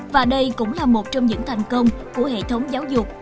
và đây cũng là một trong những thành công của hệ thống giáo dục